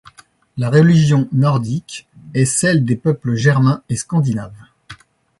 La religion nordique est celle des peuples germains et scandinaves.